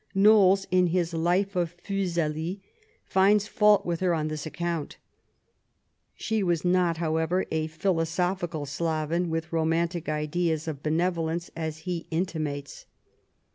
Knowles^ in his Life of Fuselij finds fault with her on this account. She was not^ however, a philosophical sloven, with romantic ideas of benevolence, as he intimates.